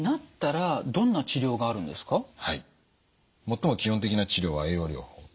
最も基本的な治療は栄養療法。